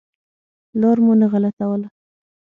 لار مو نه غلطوله.